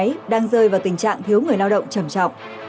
cơ quan xí nghiệp đang rơi vào tình trạng thiếu người lao động trầm trọng